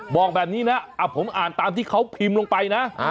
บอกแบบนี้นะผมอ่านตามที่เขาพิมพ์ลงไปนะ